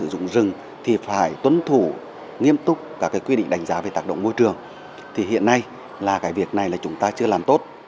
trong lúc này việc này chúng ta chưa làm tốt